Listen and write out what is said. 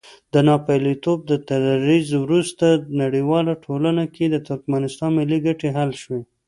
د ناپېیلتوب تر دریځ وروسته نړیواله ټولنه کې د ترکمنستان ملي ګټې حل شوې.